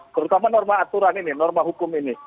terutama norma aturan ini norma hukum ini